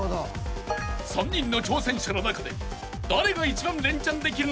［３人の挑戦者の中で誰が一番レンチャンできるのかを予想］